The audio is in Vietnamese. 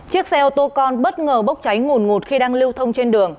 chiếc xe ô tô con bất ngờ bốc cháy ngủn ngụt khi đang lưu thông trên đường